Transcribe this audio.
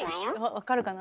分かるかな。